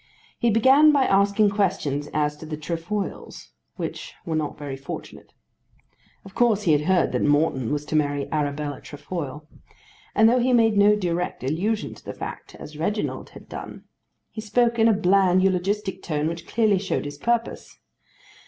He began by asking questions as to the Trefoils which were not very fortunate. Of course he had heard that Morton was to marry Arabella Trefoil, and though he made no direct allusion to the fact, as Reginald had done, he spoke in that bland eulogistic tone which clearly showed his purpose.